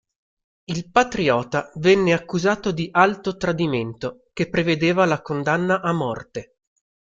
Il patriota venne accusato di Alto Tradimento, che prevedeva la condanna a morte.